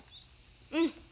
うん。